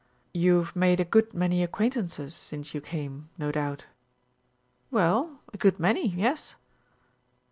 "You've made a good many acquaintances since you came, no doubt?" "Well a good many yes."